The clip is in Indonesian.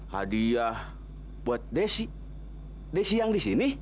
hadiah buat desi desi yang di sini